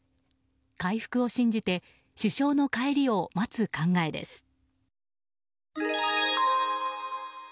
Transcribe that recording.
回復を信じて主将の帰りを待つ考えです。